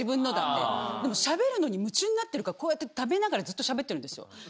でもしゃべるのに夢中になってるから食べながらずっとしゃべってるんですよ。